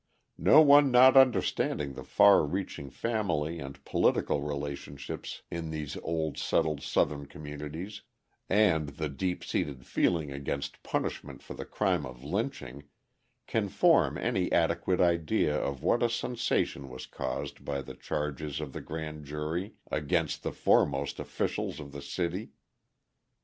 No one not understanding the far reaching family and political relationships in these old settled Southern communities, and the deep seated feeling against punishment for the crime of lynching, can form any adequate idea of what a sensation was caused by the charges of the grand jury against the foremost officials of the city.